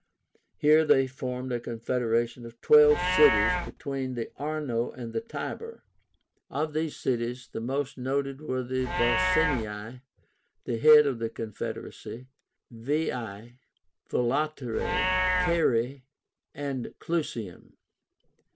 Here they formed a confederation of twelve cities between the Arno and the Tiber. Of these cities the most noted were Volsinii, the head of the confederacy, Veii, Volaterrae, Caere, and Clusium.